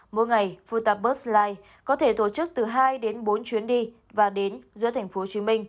mỗi ngày phu tạp bus lines có thể tổ chức từ hai đến bốn chuyến đi và đến giữa tp hcm